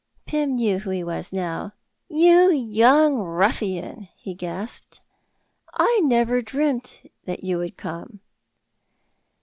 Pym knew who he was now. "You young ruffian," he gasped, "I never dreamt that you would come!"